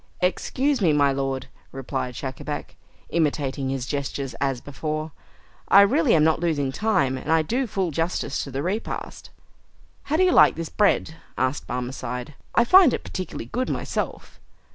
"Excuse me, my lord," replied Schacabac, imitating his gestures as before, "I really am not losing time, and I do full justice to the repast." "How do you like this bread?" asked the Barmecide. "I find it particularly good myself."